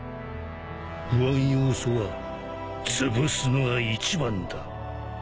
不安要素はつぶすのが一番だ。